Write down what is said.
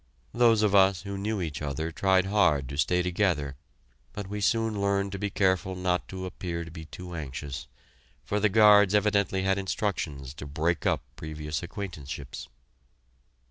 Those of us who knew each other tried hard to stay together, but we soon learned to be careful not to appear to be too anxious, for the guards evidently had instructions to break up previous acquaintanceships.